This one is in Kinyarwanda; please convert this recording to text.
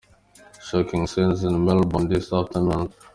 Shocking scenes in Melbourne this afternoon.